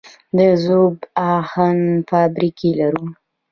د ذوب اهن فابریکې لرو؟